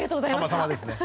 さまさまですね。